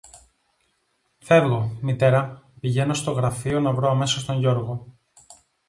Φεύγω, Μητέρα, πηγαίνω στο γραφείο να βρω αμέσως τον Γιώργο